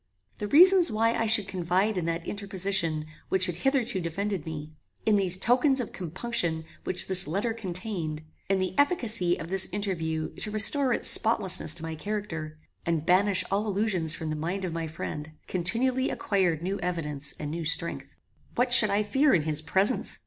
The reasons why I should confide in that interposition which had hitherto defended me; in those tokens of compunction which this letter contained; in the efficacy of this interview to restore its spotlessness to my character, and banish all illusions from the mind of my friend, continually acquired new evidence and new strength. What should I fear in his presence?